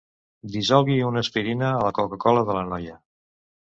Dissolgui una aspirina a la coca-cola de la noia.